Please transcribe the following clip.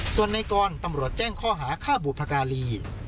ส่วนในกรตำรวจแจ้งข้อหาฆ่าบุพการี